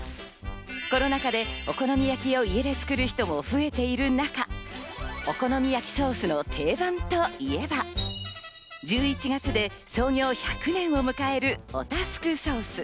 コロナ禍でお好み焼きを家で作る人も増えている中、お好み焼きソースの定番といえば、１１月で創業１００年を迎えるオタフクソース。